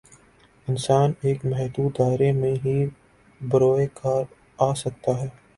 انسان ایک محدود دائرے ہی میں بروئے کار آ سکتا ہے۔